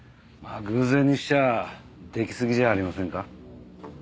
まあ偶然にしちゃ出来すぎじゃありませんか？